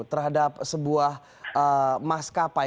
terhadap sebuah maskapai